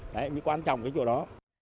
đấy mới quan trọng cái chỗ đó